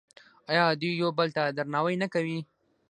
آیا دوی یو بل ته درناوی نه کوي؟